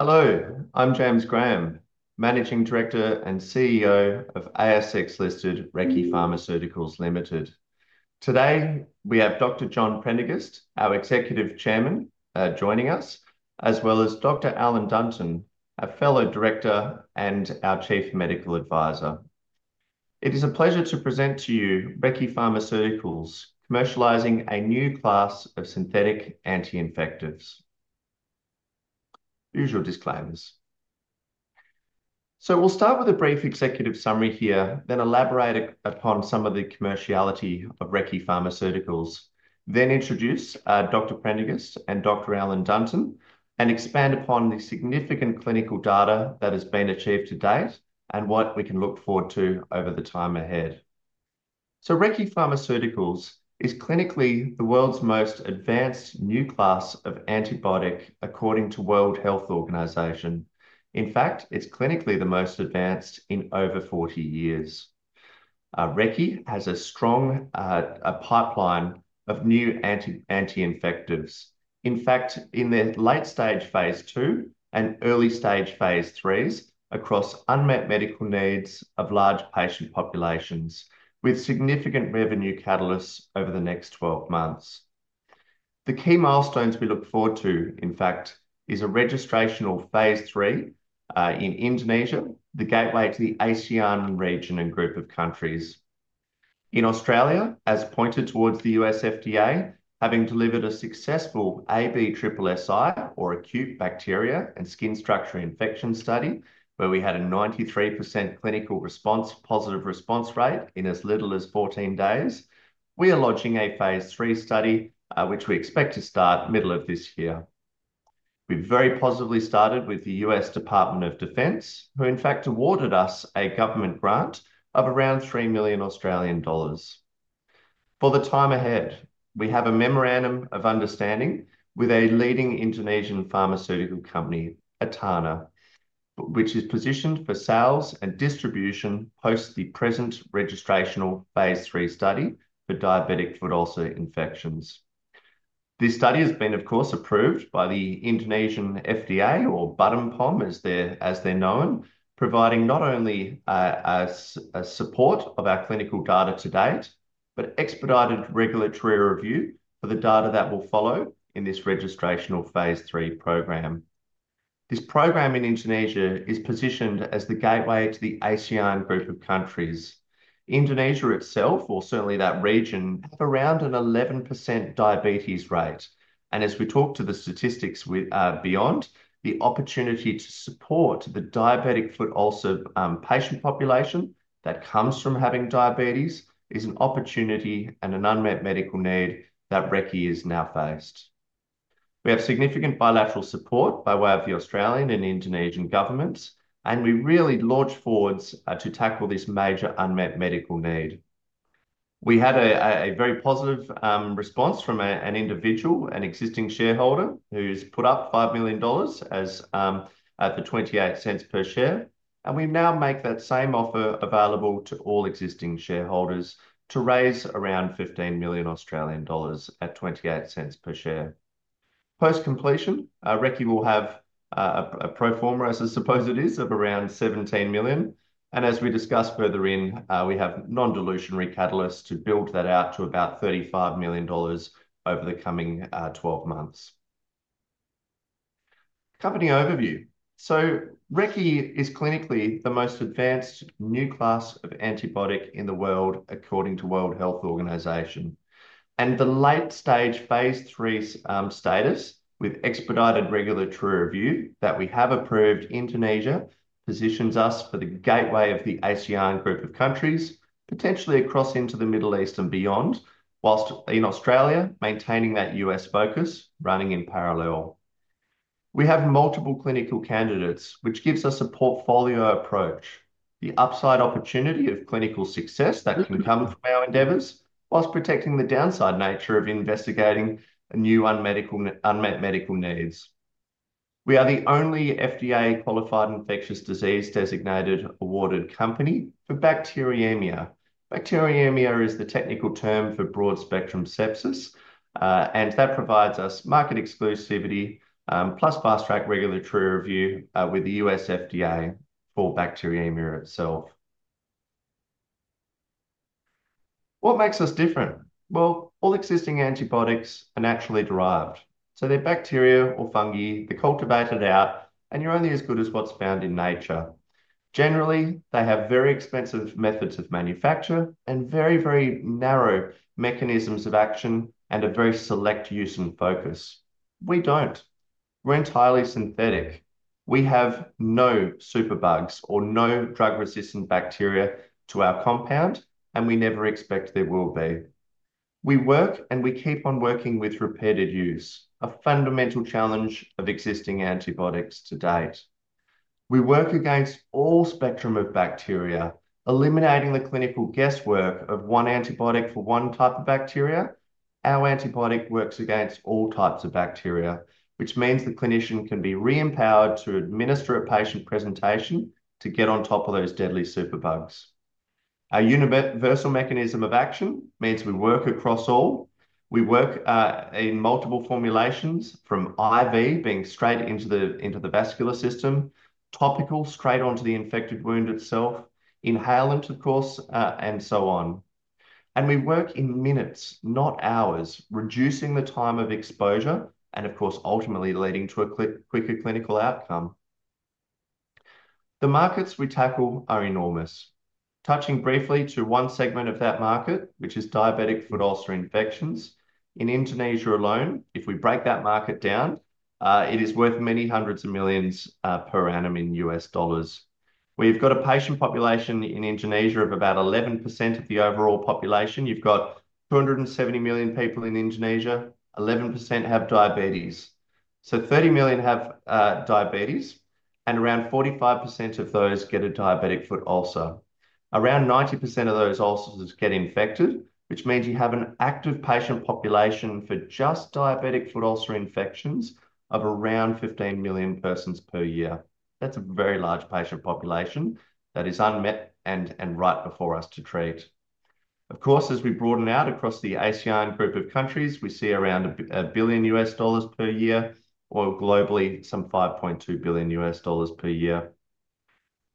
Hello, I'm James Graham, Managing Director and CEO of ASX-listed Recce Pharmaceuticals. Today we have Dr. John Prendergast, our Executive Chairman, joining us, as well as Dr. Alan Dunton, a Fellow Director and our Chief Medical Advisor. It is a pleasure to present to you Recce Pharmaceuticals commercializing a new class of synthetic anti-infectives. Usual disclaimers. We will start with a brief executive summary here, then elaborate upon some of the commerciality of Recce Pharmaceuticals, then introduce Dr. Prendergast and Dr. Alan Dunton, and expand upon the significant clinical data that has been achieved to date and what we can look forward to over the time ahead. Recce Pharmaceuticals is clinically the world's most advanced new class of antibiotic according to the World Health Organization. In fact, it's clinically the most advanced in over 40 years. Recce has a strong pipeline of new anti-infectives, in fact, in their late-stage Phase II and early-stage Phase IIIs across unmet medical needs of large patient populations, with significant revenue catalysts over the next 12 months. The key milestones we look forward to, in fact, is a registration of Phase III in Indonesia, the gateway to the ASEAN region and group of countries. In Australia, as pointed towards the U.S. FDA, having delivered a successful ABSSSI, or acute bacterial skin and skin structure infection study, where we had a 93% clinical response positive response rate in as little as 14 days, we are launching a Phase III study which we expect to start middle of this year. We've very positively started with the U.S. Department of Defense, who in fact awarded us a government grant of around 3 million Australian dollars. For the time ahead, we have a memorandum of understanding with a leading Indonesian pharmaceutical company, ATANA, which is positioned for sales and distribution post the present registration of Phase III study for diabetic foot ulcer infections. This study has been, of course, approved by the Indonesian BPOM, as they're known, providing not only support of our clinical data to date, but expedited regulatory review for the data that will follow in this registration of Phase III program. This program in Indonesia is positioned as the gateway to the ASEAN group of countries. Indonesia itself, or certainly that region, have around an 11% diabetes rate. As we talk to the statistics beyond, the opportunity to support the diabetic foot ulcer patient population that comes from having diabetes is an opportunity and an unmet medical need that Recce is now faced. We have significant bilateral support by way of the Australian and Indonesian governments, and we really launch forward to tackle this major unmet medical need. We had a very positive response from an individual, an existing shareholder, who's put up 5 million dollars at 0.28 per share, and we now make that same offer available to all existing shareholders to raise around 15 million Australian dollars at 0.28 per share. Post completion, Recce will have a pro forma, as I suppose it is, of around 17 million. As we discussed further in, we have non-dilutionary catalysts to build that out to about 35 million dollars over the coming 12 months. Company overview. Recce is clinically the most advanced new class of antibiotic in the world according to the World Health Organization. The late-stage Phase III status, with expedited regulatory review that we have approved in Indonesia, positions us for the gateway of the ASEAN group of countries, potentially across into the Middle East and beyond, whilst in Australia maintaining that U.S. focus running in parallel. We have multiple clinical candidates, which gives us a portfolio approach, the upside opportunity of clinical success that can come from our endeavors, whilst protecting the downside nature of investigating new unmet medical needs. We are the only FDA qualified infectious disease designated awarded company for bacteremia. Bacteremia is the technical term for broad-spectrum sepsis, and that provides us market exclusivity, plus fast-track regulatory review with the U.S. FDA for bacteremia itself. What makes us different? All existing antibiotics are naturally derived. So they're bacteria or fungi. They're cultivated out, and you're only as good as what's found in nature. Generally, they have very expensive methods of manufacture and very, very narrow mechanisms of action and a very select use and focus. We don't. We're entirely synthetic. We have no superbugs or no drug-resistant bacteria to our compound, and we never expect there will be. We work and we keep on working with repetitive use, a fundamental challenge of existing antibiotics to date. We work against all spectrum of bacteria, eliminating the clinical guesswork of one antibiotic for one type of bacteria. Our antibiotic works against all types of bacteria, which means the clinician can be re-empowered to administer a patient presentation to get on top of those deadly superbugs. Our universal mechanism of action means we work across all. We work in multiple formulations, from IV being straight into the vascular system, topical straight onto the infected wound itself, inhalant, of course, and so on. We work in minutes, not hours, reducing the time of exposure and, of course, ultimately leading to a quicker clinical outcome. The markets we tackle are enormous. Touching briefly to one segment of that market, which is diabetic foot ulcer infections, in Indonesia alone, if we break that market down, it is worth many hundreds of millions per annum in U.S. Dollars. We've got a patient population in Indonesia of about 11% of the overall population. You've got 270 million people in Indonesia. 11% have diabetes. So 30 million have diabetes, and around 45% of those get a diabetic foot ulcer. Around 90% of those ulcers get infected, which means you have an active patient population for just diabetic foot ulcer infections of around 15 million persons per year. That's a very large patient population that is unmet and right before us to treat. Of course, as we broaden out across the ASEAN group of countries, we see around $1 billion per year, or globally some $5.2 billion per year.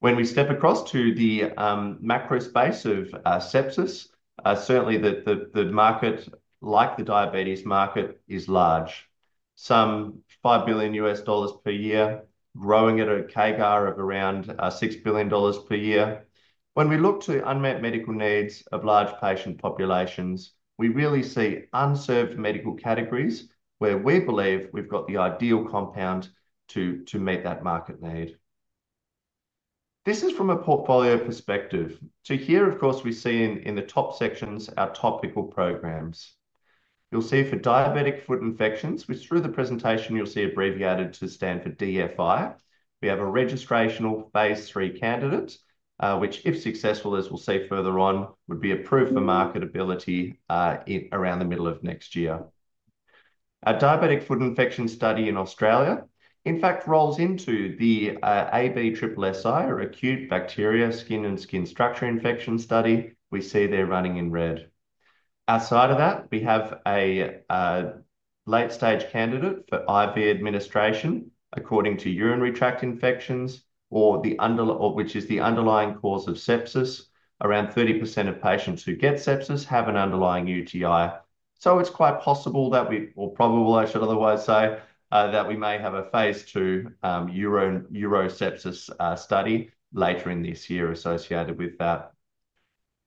When we step across to the macro space of sepsis, certainly the market, like the diabetes market, is large. Some $5 billion per year, growing at a CAGR of around $6 billion per year. When we look to unmet medical needs of large patient populations, we really see unserved medical categories where we believe we've got the ideal compound to meet that market need. This is from a portfolio perspective. Here, of course, we see in the top sections our topical programs. You'll see for diabetic foot infections, which through the presentation you'll see abbreviated to stand for DFI. We have a registrational Phase III candidate, which, if successful, as we'll see further on, would be approved for marketability around the middle of next year. Our diabetic foot infection study in Australia, in fact, rolls into the ABSSSI, or acute bacterial skin and skin structure infection study. We see there running in red. Outside of that, we have a late-stage candidate for IV administration according to urinary tract infections, which is the underlying cause of sepsis. Around 30% of patients who get sepsis have an underlying UTI. It is quite possible that we, or probable, I should otherwise say, that we may have a Phase II urosepsis study later in this year associated with that.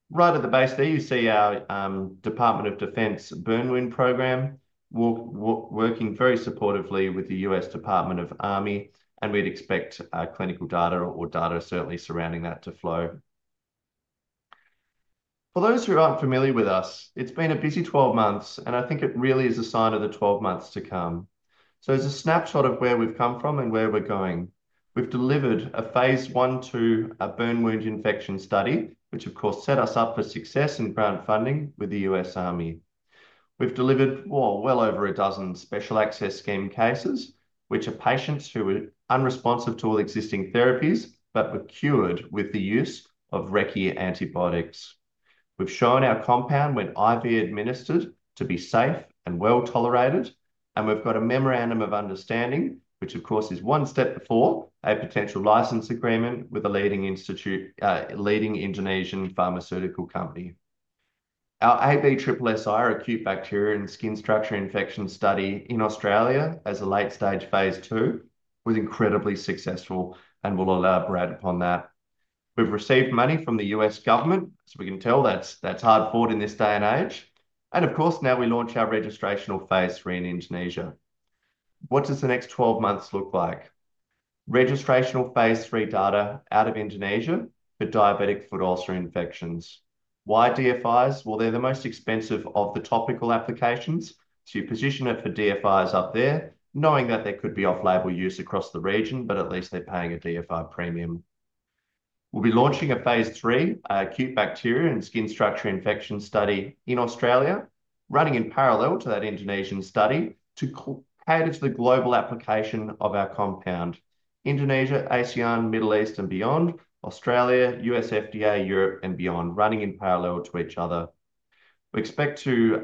Right at the base there, you see our Department of Defense burn wound program working very supportively with the U.S. Army, and we'd expect clinical data or data certainly surrounding that to flow. For those who aren't familiar with us, it's been a busy 12 months, and I think it really is a sign of the 12 months to come. As a snapshot of where we've come from and where we're going, we've delivered a Phase I burn wound infection study, which, of course, set us up for success and grant funding with the U.S. Army. We've delivered well over a dozen Special Access Scheme cases, which are patients who were unresponsive to all existing therapies, but were cured with the use of Recce antibiotics. We've shown our compound when IV administered to be safe and well tolerated, and we've got a memorandum of understanding, which, of course, is one step before a potential license agreement with a leading Indonesian pharmaceutical company. Our ABSSSI, or acute bacterial skin and skin structure infection study in Australia, as a late-stage Phase II, was incredibly successful and will allow Brad upon that. We've received money from the U.S. government, as we can tell, that's hard fought in this day and age. Of course, now we launch our registrational Phase III in Indonesia. What does the next 12 months look like? Registrational Phase III data out of Indonesia for diabetic foot ulcer infections. Why DFIs? They're the most expensive of the topical applications, so you position it for DFIs up there, knowing that there could be off-label use across the region, but at least they're paying a DFI premium. We'll be launching a Phase III acute bacterial skin and skin structure infection study in Australia, running in parallel to that Indonesian study to cater to the global application of our compound. Indonesia, ASEAN, Middle East, and beyond, Australia, U.S. FDA, Europe, and beyond, running in parallel to each other. We expect to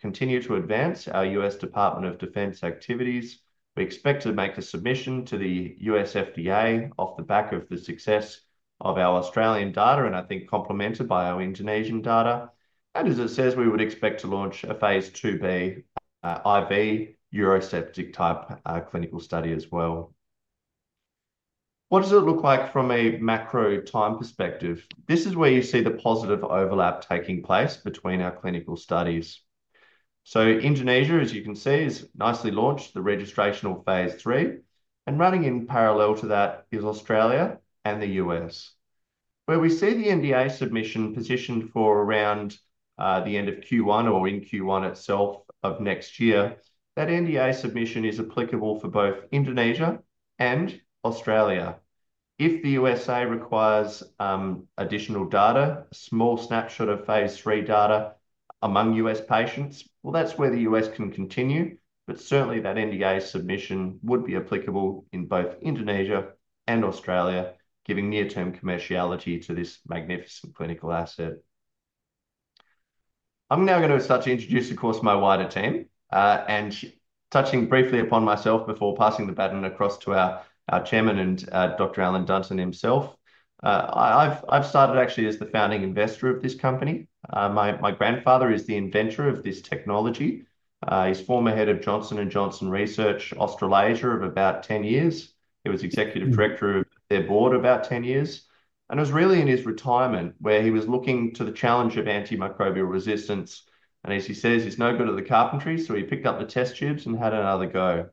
continue to advance our U.S. Department of Defense activities. We expect to make a submission to the U.S. FDA off the back of the success of our Australian data, I think complemented by our Indonesian data. As it says, we would expect to launch a Phase II-B IV uroseptic type clinical study as well. What does it look like from a macro time perspective? This is where you see the positive overlap taking place between our clinical studies. Indonesia, as you can see, has nicely launched the registrational Phase III, and running in parallel to that is Australia and the US. Where we see the NDA submission positioned for around the end of Q1 or in Q1 itself of next year, that NDA submission is applicable for both Indonesia and Australia. If the U.S. requires additional data, a small snapshot of Phase III data among U.S. patients, that is where the U.S. can continue, but certainly that NDA submission would be applicable in both Indonesia and Australia, giving near-term commerciality to this magnificent clinical asset. I am now going to start to introduce, of course, my wider team, and touching briefly upon myself before passing the baton across to our Chairman and Dr. Alan Dunton himself. I have started actually as the founding investor of this company. My grandfather is the inventor of this technology. He is former head of Johnson & Johnson Research, Australasia, of about 10 years. He was Executive Director of their board about 10 years. It was really in his retirement where he was looking to the challenge of antimicrobial resistance. As he says, he's no good at the carpentry, so he picked up the test tubes and had another go.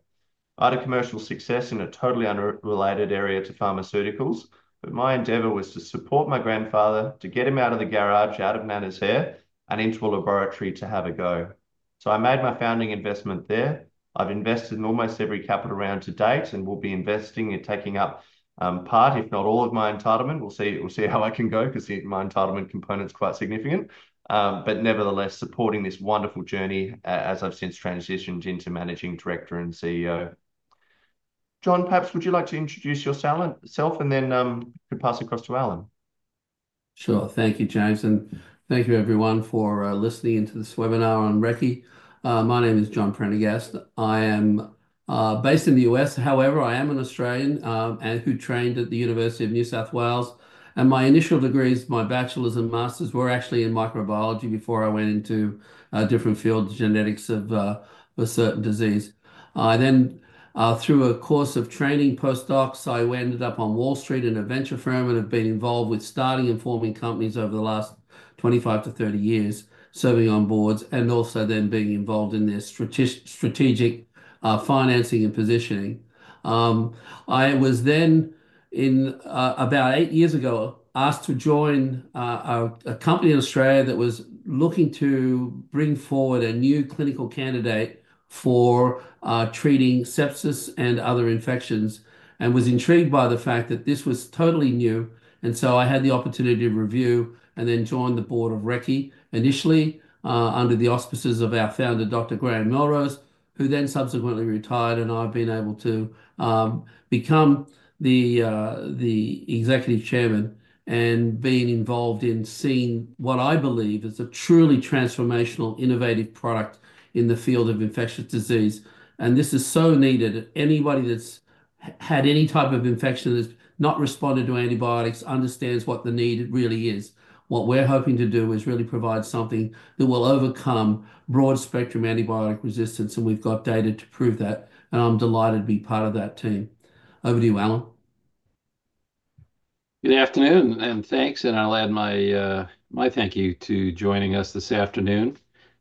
I had a commercial success in a totally unrelated area to pharmaceuticals, but my endeavor was to support my grandfather, to get him out of the garage, out of man's hair, and into a laboratory to have a go. I made my founding investment there. I've invested in almost every capital round to date and will be investing in taking up part, if not all, of my entitlement. We'll see how I can go because my entitlement component's quite significant. Nevertheless, supporting this wonderful journey as I've since transitioned into Managing Director and CEO. John, perhaps would you like to introduce yourself and then pass across to Alan? Sure. Thank you, James. Thank you, everyone, for listening into this webinar on Recce. My name is John Prendergast. I am based in the U.S., however, I am an Australian who trained at the University of New South Wales. My initial degrees, my bachelor's and master's, were actually in microbiology before I went into different fields, genetics of a certain disease. I then, through a course of training postdocs, ended up on Wall Street in a venture firm and have been involved with starting and forming companies over the last 25 to 30 years, serving on boards and also then being involved in their strategic financing and positioning. I was then, about eight years ago, asked to join a company in Australia that was looking to bring forward a new clinical candidate for treating sepsis and other infections and was intrigued by the fact that this was totally new. I had the opportunity to review and then join the board of Recce initially under the auspices of our founder, Dr. Graham Melrose, who then subsequently retired, and I've been able to become the Executive Chairman and being involved in seeing what I believe is a truly transformational innovative product in the field of infectious disease. This is so needed. Anybody that's had any type of infection that has not responded to antibiotics understands what the need really is. What we're hoping to do is really provide something that will overcome broad-spectrum antibiotic resistance, and we've got data to prove that. I'm delighted to be part of that team. Over to you, Alan. Good afternoon, and thanks. I'll thank you to joining us this afternoon.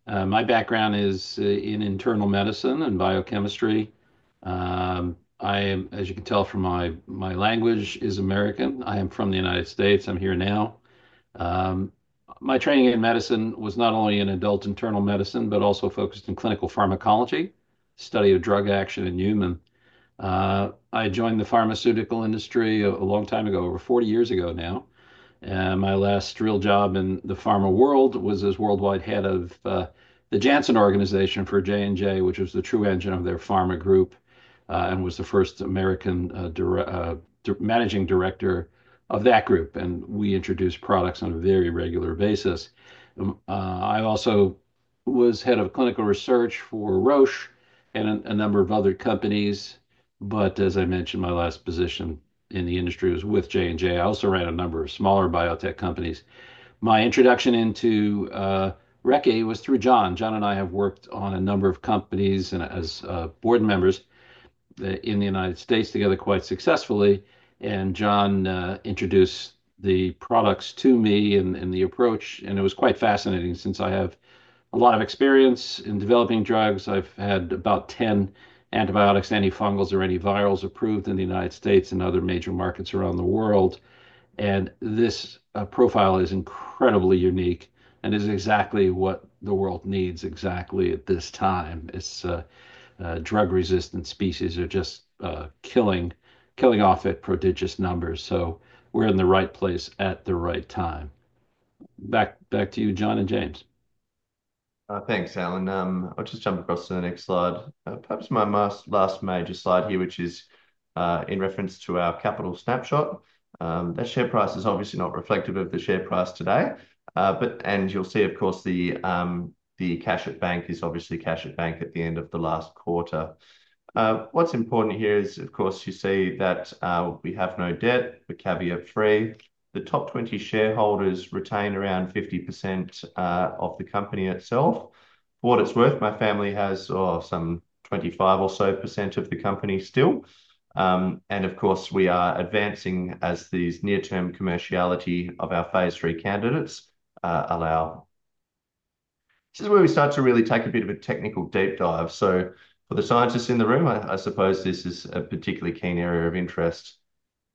My background is in internal medicine and biochemistry. As you can tell from my language is American, I am from the United States. I'm here now. My training in medicine was not only in adult internal medicine, but also focused in clinical pharmacology, study of drug action in human. I joined the pharmaceutical industry a long time ago, over 40 years ago now. My last real job in the pharma world was as worldwide head of the Janssen Organization for J&J, which was the true engine of their pharma group and was the first American managing director of that group. We introduced products on a very regular basis. I also was head of clinical research for Roche and a number of other companies. As I mentioned, my last position in the industry was with J&J. I also ran a number of smaller biotech companies. My introduction into Recce was through John. John and I have worked on a number of companies and as board members in the United States together quite successfully. John introduced the products to me and the approach. It was quite fascinating since I have a lot of experience in developing drugs. I've had about 10 antibiotics, antifungals, or antivirals approved in the United States and other major markets around the world. This profile is incredibly unique and is exactly what the world needs exactly at this time. Drug-resistant species are just killing off at prodigious numbers. We're in the right place at the right time. Back to you, John and James. Thanks, Alan. I'll just jump across to the next slide. Perhaps my last major slide here, which is in reference to our capital snapshot. That share price is obviously not reflective of the share price today. You will see, of course, the cash at bank is obviously cash at bank at the end of the last quarter. What is important here is, of course, you see that we have no debt, we are caveat-free. The top 20 shareholders retain around 50% of the company itself. For what it is worth, my family has some 25 or so % of the company still. Of course, we are advancing as these near-term commerciality of our Phase III candidates allow. This is where we start to really take a bit of a technical deep dive. For the scientists in the room, I suppose this is a particularly keen area of interest.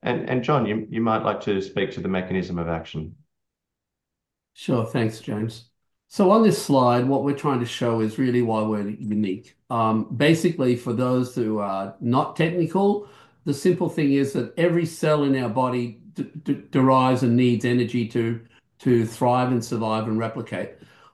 John, you might like to speak to the mechanism of action. Sure. Thanks, James. On this slide, what we're trying to show is really why we're unique. Basically, for those who are not technical, the simple thing is that every cell in our body derives and needs energy to thrive and survive and replicate.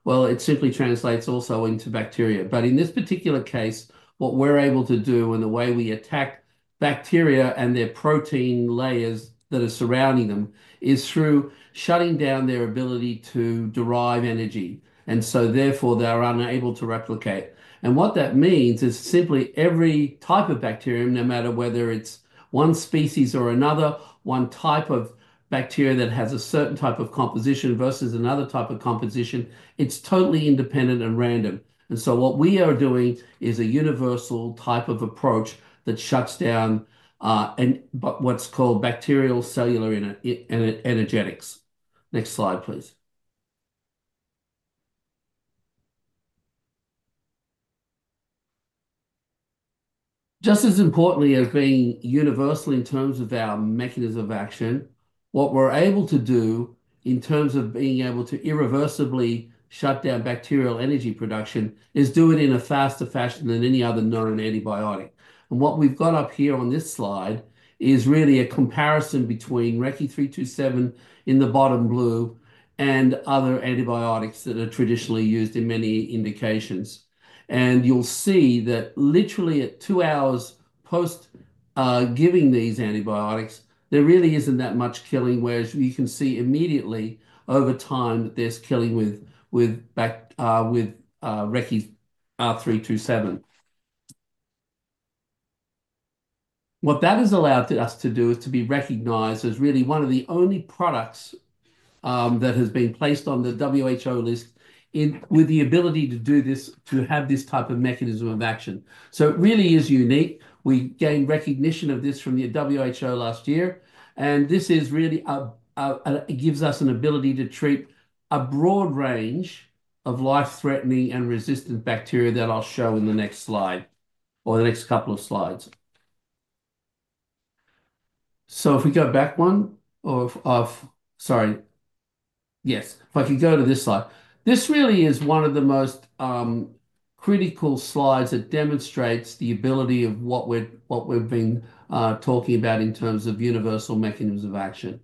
It simply translates also into bacteria. In this particular case, what we're able to do and the way we attack bacteria and their protein layers that are surrounding them is through shutting down their ability to derive energy. Therefore, they're unable to replicate. What that means is simply every type of bacterium, no matter whether it's one species or another, one type of bacteria that has a certain type of composition versus another type of composition, it's totally independent and random. What we are doing is a universal type of approach that shuts down what's called bacterial cellular energetics. Next slide, please. Just as importantly as being universal in terms of our mechanism of action, what we're able to do in terms of being able to irreversibly shut down bacterial energy production is do it in a faster fashion than any other known antibiotic. What we've got up here on this slide is really a comparison between RECCE 327 in the bottom blue and other antibiotics that are traditionally used in many indications. You'll see that literally at two hours post giving these antibiotics, there really isn't that much killing, whereas you can see immediately over time there's killing with RECCE 327. What that has allowed us to do is to be recognized as really one of the only products that has been placed on the WHO list with the ability to do this, to have this type of mechanism of action. It really is unique. We gained recognition of this from the WHO last year. This really gives us an ability to treat a broad range of life-threatening and resistant bacteria that I'll show in the next slide or the next couple of slides. If we go back, sorry, yes, if I could go to this slide. This really is one of the most critical slides that demonstrates the ability of what we've been talking about in terms of universal mechanisms of action.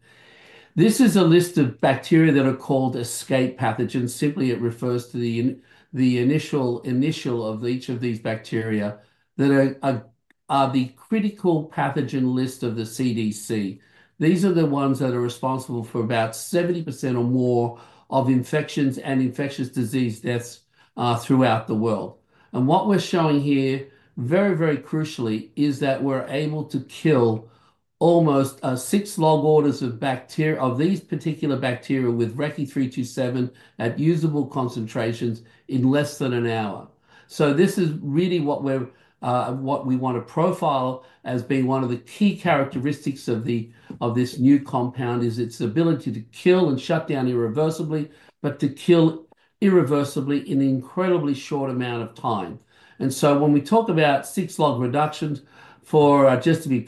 This is a list of bacteria that are called escape pathogens. Simply, it refers to the initial of each of these bacteria that are the critical pathogen list of the CDC. These are the ones that are responsible for about 70% or more of infections and infectious disease deaths throughout the world. What we're showing here, very, very crucially, is that we're able to kill almost six log orders of these particular bacteria with RECCE 327 at usable concentrations in less than an hour. This is really what we want to profile as being one of the key characteristics of this new compound, its ability to kill and shut down irreversibly, but to kill irreversibly in an incredibly short amount of time. When we talk about six log reductions, just to be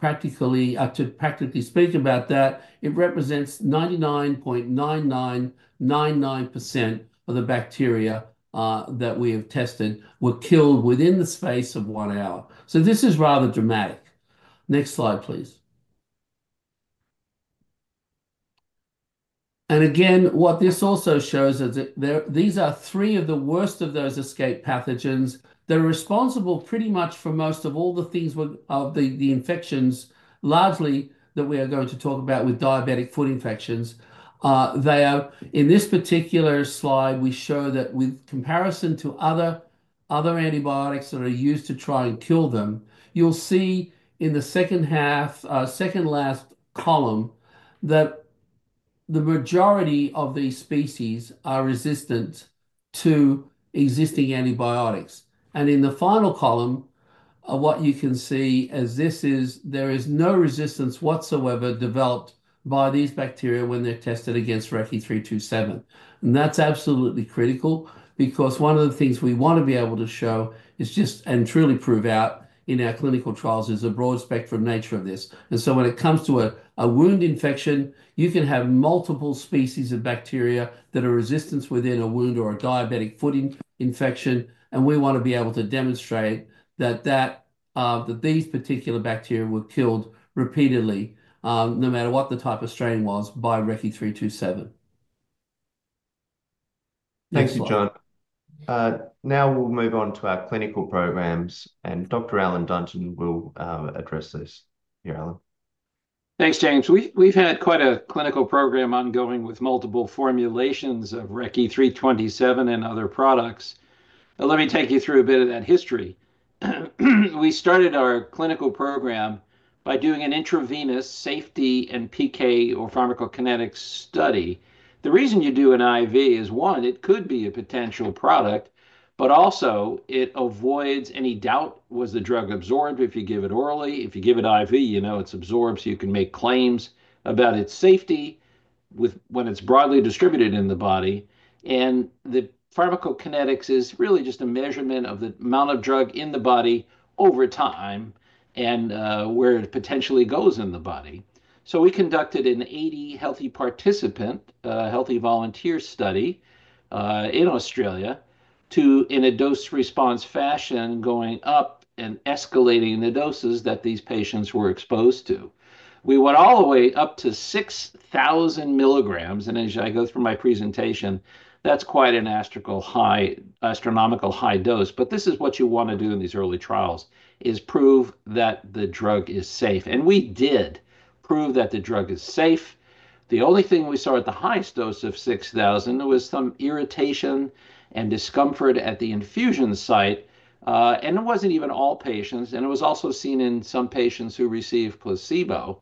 practically speaking about that, it represents 99.999% of the bacteria that we have tested were killed within the space of one hour. This is rather dramatic. Next slide, please. What this also shows is that these are three of the worst of those escape pathogens that are responsible pretty much for most of all the things of the infections largely that we are going to talk about with diabetic foot infections. In this particular slide, we show that with comparison to other antibiotics that are used to try and kill them, you'll see in the second last column that the majority of these species are resistant to existing antibiotics. In the final column, what you can see is there is no resistance whatsoever developed by these bacteria when they're tested against RECCE 327. That's absolutely critical because one of the things we want to be able to show is just and truly prove out in our clinical trials is the broad-spectrum nature of this. When it comes to a wound infection, you can have multiple species of bacteria that are resistant within a wound or a diabetic foot infection. We want to be able to demonstrate that these particular bacteria were killed repeatedly, no matter what the type of strain was, by RECCE 327. Thank you, John. Now we'll move on to our clinical programs. Dr. Alan Dunton will address this. Here, Alan. Thanks, James. We've had quite a clinical program ongoing with multiple formulations of RECCE 327 and other products. Let me take you through a bit of that history. We started our clinical program by doing an intravenous safety and PK or pharmacokinetics study. The reason you do an IV is, one, it could be a potential product, but also it avoids any doubt: was the drug absorbed if you give it orally? If you give it IV, you know it's absorbed, so you can make claims about its safety when it's broadly distributed in the body. The pharmacokinetics is really just a measurement of the amount of drug in the body over time and where it potentially goes in the body. We conducted an 80 healthy participant, healthy volunteer study in Australia in a dose-response fashion, going up and escalating the doses that these patients were exposed to. We went all the way up to 6,000 milligrams. As I go through my presentation, that's quite an astronomical high dose. This is what you want to do in these early trials: prove that the drug is safe. We did prove that the drug is safe. The only thing we saw at the highest dose of 6,000, there was some irritation and discomfort at the infusion site. It was not even all patients. It was also seen in some patients who received placebo.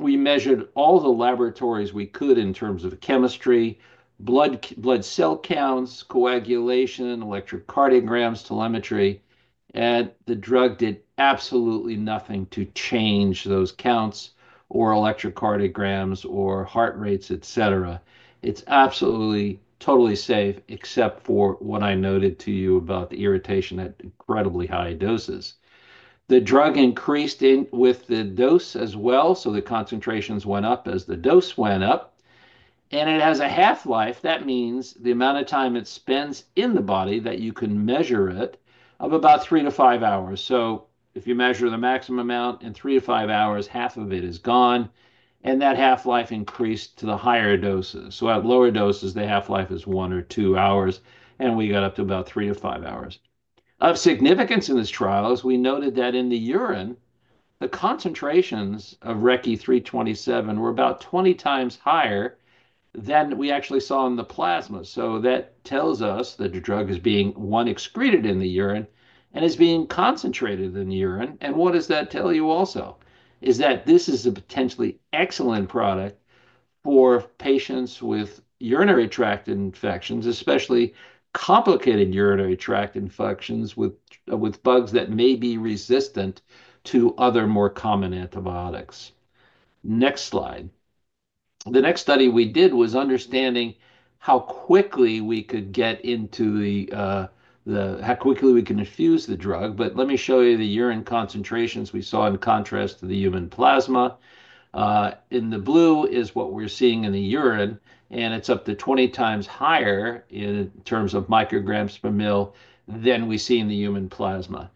We measured all the laboratories we could in terms of chemistry, blood cell counts, coagulation, electrocardiograms, telemetry. The drug did absolutely nothing to change those counts or electrocardiograms or heart rates, etc. It is absolutely totally safe, except for what I noted to you about the irritation at incredibly high doses. The drug increased with the dose as well, so the concentrations went up as the dose went up. It has a half-life. That means the amount of time it spends in the body that you can measure it is about three to five hours. If you measure the maximum amount in three to five hours, half of it is gone. That half-life increased to the higher doses. At lower doses, the half-life is one or two hours. We got up to about three to five hours. Of significance in this trial is we noted that in the urine, the concentrations of RECCE 327 were about 20 times higher than we actually saw in the plasma. That tells us that the drug is being excreted in the urine and is being concentrated in the urine. What does that tell you also is that this is a potentially excellent product for patients with urinary tract infections, especially complicated urinary tract infections with bugs that may be resistant to other more common antibiotics. Next slide. The next study we did was understanding how quickly we could get into the how quickly we can infuse the drug. Let me show you the urine concentrations we saw in contrast to the human plasma. In the blue is what we're seeing in the urine. It is up to 20 times higher in terms of micrograms per mL than we see in the human plasma.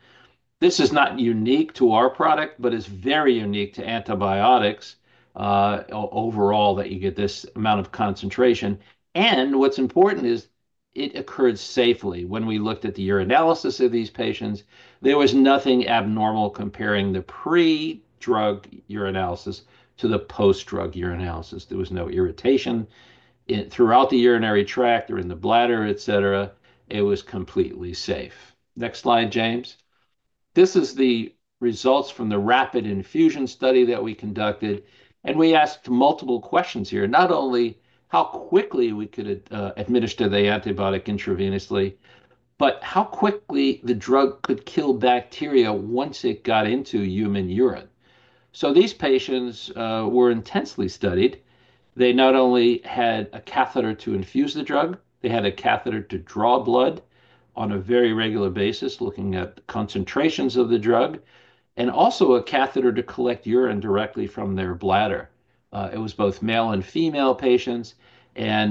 This is not unique to our product, but it is very unique to antibiotics overall that you get this amount of concentration. What is important is it occurred safely. When we looked at the urinalysis of these patients, there was nothing abnormal comparing the pre-drug urinalysis to the post-drug urinalysis. There was no irritation throughout the urinary tract or in the bladder, etc. It was completely safe. Next slide, James. This is the results from the rapid infusion study that we conducted. We asked multiple questions here, not only how quickly we could administer the antibiotic intravenously, but how quickly the drug could kill bacteria once it got into human urine. These patients were intensely studied. They not only had a catheter to infuse the drug, they had a catheter to draw blood on a very regular basis, looking at concentrations of the drug, and also a catheter to collect urine directly from their bladder. It was both male and female patients.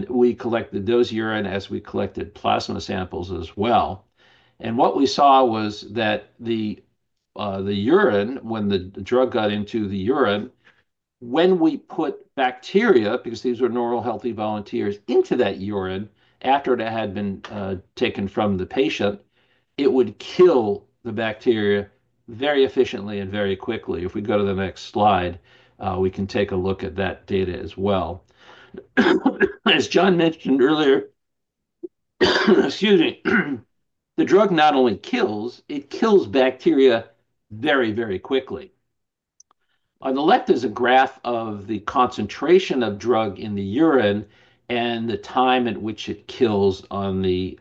We collected those urine as we collected plasma samples as well. What we saw was that the urine, when the drug got into the urine, when we put bacteria, because these were normal healthy volunteers, into that urine after it had been taken from the patient, it would kill the bacteria very efficiently and very quickly. If we go to the next slide, we can take a look at that data as well. As John mentioned earlier, excuse me, the drug not only kills, it kills bacteria very, very quickly. On the left is a graph of the concentration of drug in the urine and the time at which it kills on the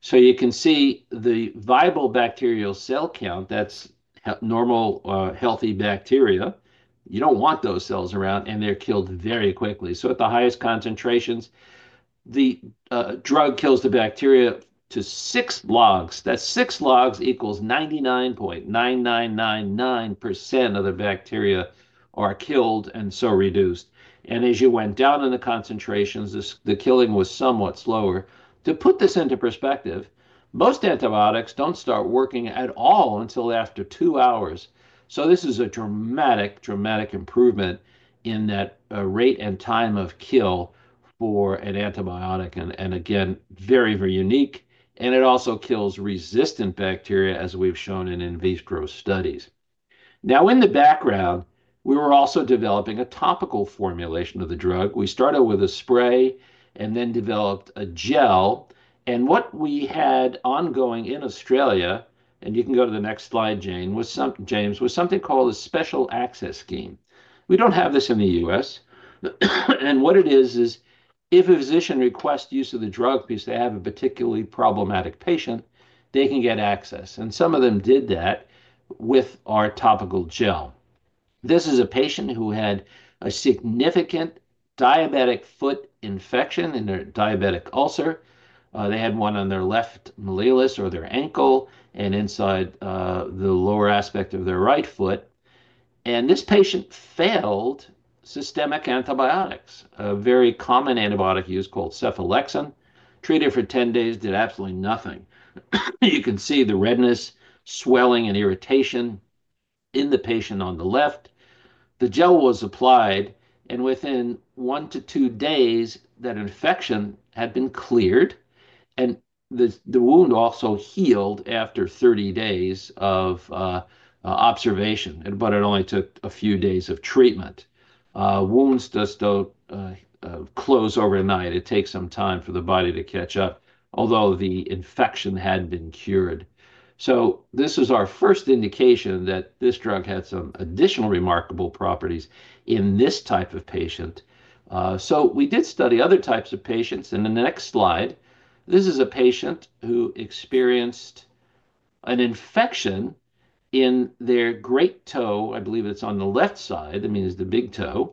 x-axis. You can see the viable bacterial cell count, that's normal healthy bacteria. You don't want those cells around, and they're killed very quickly. At the highest concentrations, the drug kills the bacteria to six logs. That's six logs equals 99.9999% of the bacteria are killed and so reduced. As you went down in the concentrations, the killing was somewhat slower. To put this into perspective, most antibiotics don't start working at all until after two hours. This is a dramatic, dramatic improvement in that rate and time of kill for an antibiotic. Very, very unique. It also kills resistant bacteria, as we've shown in in vitro studies. Now, in the background, we were also developing a topical formulation of the drug. We started with a spray and then developed a gel. What we had ongoing in Australia, and you can go to the next slide, James, was something called a special access scheme. We do not have this in the U.S. What it is is if a physician requests use of the drug because they have a particularly problematic patient, they can get access. Some of them did that with our topical gel. This is a patient who had a significant diabetic foot infection and a diabetic ulcer. They had one on their left malleolus or their ankle and inside the lower aspect of their right foot. This patient failed systemic antibiotics, a very common antibiotic used called cephalexin, treated for 10 days, did absolutely nothing. You can see the redness, swelling, and irritation in the patient on the left. The gel was applied, and within one to two days, that infection had been cleared, and the wound also healed after 30 days of observation, but it only took a few days of treatment. Wounds just don't close overnight. It takes some time for the body to catch up, although the infection had been cured. This is our first indication that this drug had some additional remarkable properties in this type of patient. We did study other types of patients. In the next slide, this is a patient who experienced an infection in their great toe. I believe it's on the left side. I mean, it's the big toe.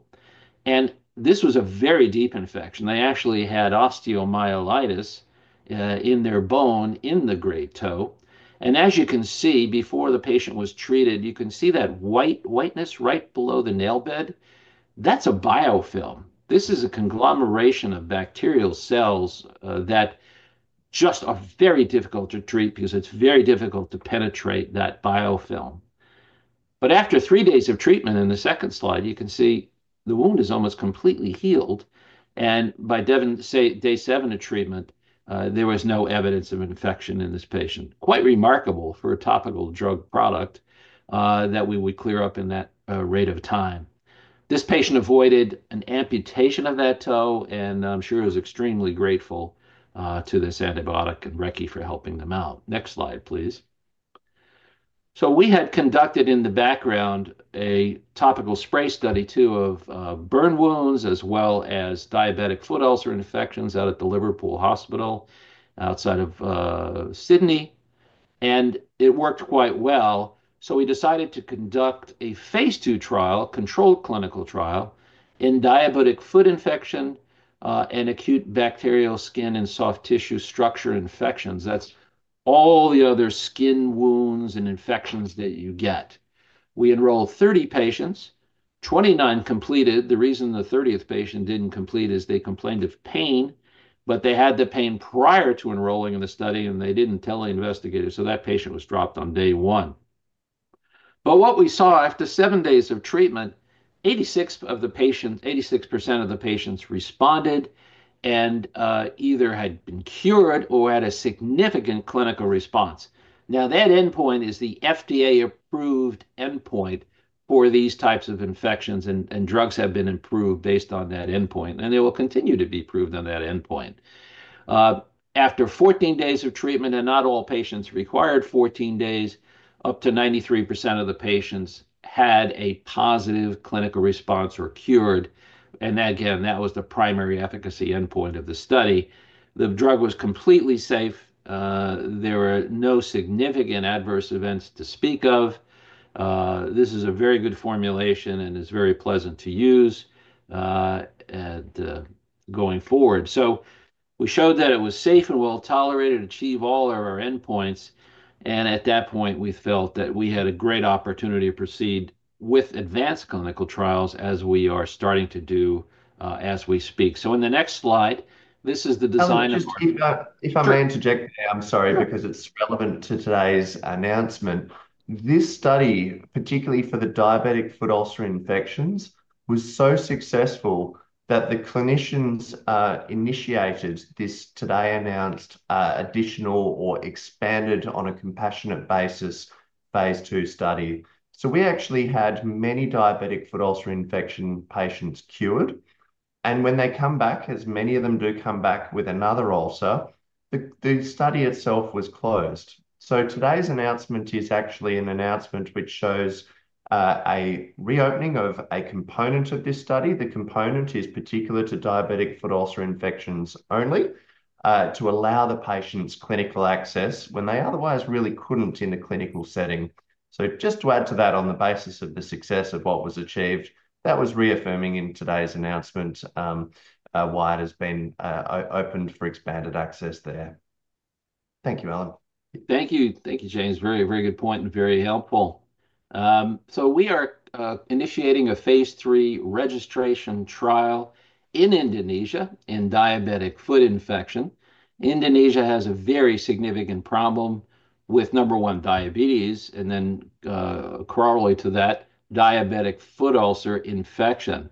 This was a very deep infection. They actually had osteomyelitis in their bone in the great toe. As you can see, before the patient was treated, you can see that whiteness right below the nail bed. That's a biofilm. This is a conglomeration of bacterial cells that just are very difficult to treat because it's very difficult to penetrate that biofilm. After three days of treatment, in the second slide, you can see the wound is almost completely healed. By day seven of treatment, there was no evidence of infection in this patient. Quite remarkable for a topical drug product that we would clear up in that rate of time. This patient avoided an amputation of that toe, and I'm sure he was extremely grateful to this antibiotic and Recce for helping them out. Next slide, please. We had conducted in the background a topical spray study too of burn wounds as well as diabetic foot ulcer infections out at the Liverpool Hospital outside of Sydney. It worked quite well. We decided to conduct a Phase II trial, controlled clinical trial in diabetic foot infection and acute bacterial skin and skin structure infections. That is all the other skin wounds and infections that you get. We enrolled 30 patients, 29 completed. The reason the 30th patient did not complete is they complained of pain, but they had the pain prior to enrolling in the study, and they did not tell the investigator. That patient was dropped on day one. What we saw after seven days of treatment, 86% of the patients responded and either had been cured or had a significant clinical response. Now, that endpoint is the FDA-approved endpoint for these types of infections, and drugs have been approved based on that endpoint, and they will continue to be approved on that endpoint. After 14 days of treatment, and not all patients required 14 days, up to 93% of the patients had a positive clinical response or cured. Again, that was the primary efficacy endpoint of the study. The drug was completely safe. There were no significant adverse events to speak of. This is a very good formulation and is very pleasant to use going forward. We showed that it was safe and well tolerated, achieved all of our endpoints. At that point, we felt that we had a great opportunity to proceed with advanced clinical trials as we are starting to do as we speak. In the next slide, this is the design of. If I may interject, I'm sorry, because it's relevant to today's announcement. This study, particularly for the diabetic foot ulcer infections, was so successful that the clinicians initiated this today announced additional or expanded on a compassionate basis Phase II study. We actually had many diabetic foot ulcer infection patients cured. When they come back, as many of them do come back with another ulcer, the study itself was closed. Today's announcement is actually an announcement which shows a reopening of a component of this study. The component is particular to diabetic foot ulcer infections only to allow the patients clinical access when they otherwise really couldn't in the clinical setting. Just to add to that on the basis of the success of what was achieved, that was reaffirming in today's announcement why it has been opened for expanded access there. Thank you, Alan. Thank you. Thank you, James. Very, very good point and very helpful. We are initiating a Phase III registration trial in Indonesia in diabetic foot infection. Indonesia has a very significant problem with, number one, diabetes, and then corollary to that, diabetic foot ulcer infection.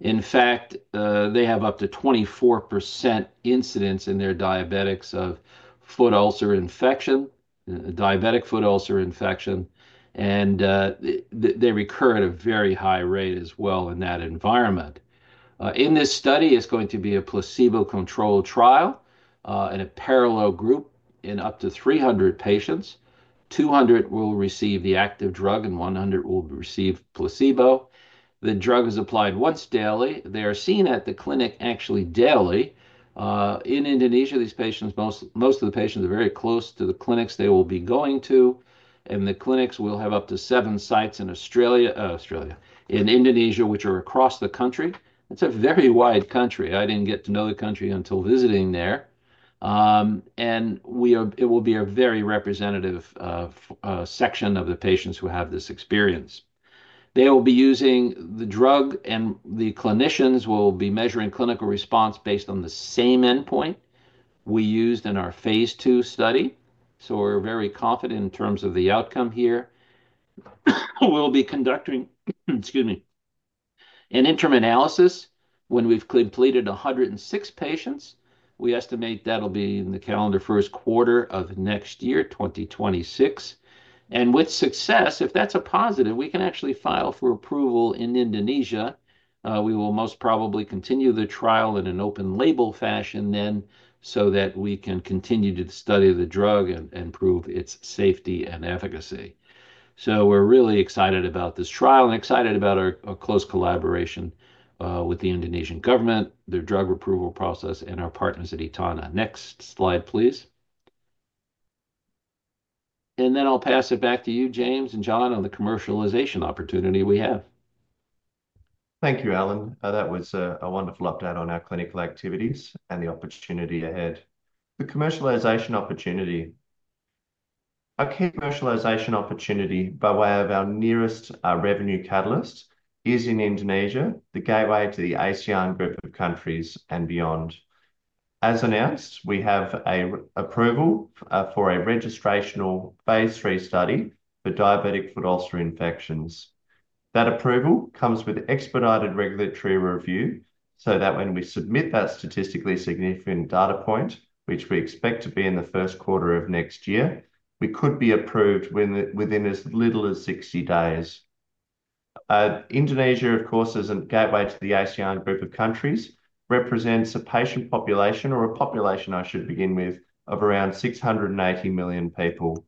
In fact, they have up to 24% incidence in their diabetics of foot ulcer infection, diabetic foot ulcer infection, and they recur at a very high rate as well in that environment. In this study, it's going to be a placebo-controlled trial in a parallel group in up to 300 patients. Two hundred will receive the active drug, and one hundred will receive placebo. The drug is applied once daily. They are seen at the clinic actually daily. In Indonesia, these patients, most of the patients are very close to the clinics they will be going to. The clinics will have up to seven sites in Australia, in Indonesia, which are across the country. It's a very wide country. I didn't get to know the country until visiting there. It will be a very representative section of the patients who have this experience. They will be using the drug, and the clinicians will be measuring clinical response based on the same endpoint we used in our Phase II study. We are very confident in terms of the outcome here. We will be conducting, excuse me, an interim analysis. When we have completed 106 patients, we estimate that will be in the calendar first quarter of next year, 2026. With success, if that's a positive, we can actually file for approval in Indonesia. We will most probably continue the trial in an open label fashion then so that we can continue to study the drug and prove its safety and efficacy. We're really excited about this trial and excited about our close collaboration with the Indonesian government, their drug approval process, and our partners at Etana. Next slide, please. I'll pass it back to you, James and John, on the commercialization opportunity we have. Thank you, Alan. That was a wonderful update on our clinical activities and the opportunity ahead. The commercialization opportunity. Our commercialization opportunity by way of our nearest revenue catalyst is in Indonesia, the gateway to the ASEAN group of countries and beyond. As announced, we have an approval for a registrational Phase III study for diabetic foot ulcer infections. That approval comes with expedited regulatory review so that when we submit that statistically significant data point, which we expect to be in the first quarter of next year, we could be approved within as little as 60 days. Indonesia, of course, as a gateway to the ASEAN group of countries, represents a patient population, or a population, I should begin with, of around 680 million people.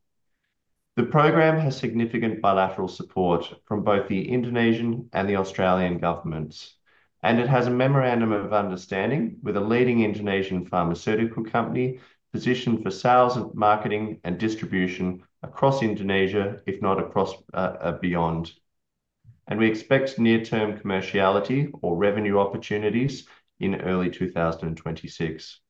The program has significant bilateral support from both the Indonesian and the Australian governments. It has a memorandum of understanding with a leading Indonesian pharmaceutical company positioned for sales and marketing and distribution across Indonesia, if not across beyond. We expect near-term commerciality or revenue opportunities in early 2026.